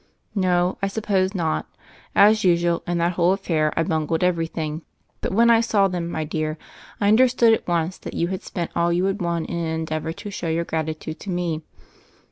"No, I suppose not: as usual, in that whole affair I bungled everything. But when I saw them, my dear, I understood at once that you had spent all you had won in an endeavor to show your gratitude to me.